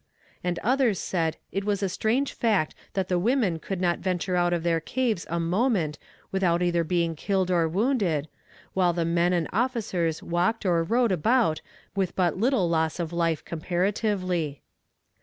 And others said it was a strange fact that the women could not venture out of their caves a moment without either being killed or wounded, while the men and officers walked or rode about with but little loss of life comparatively.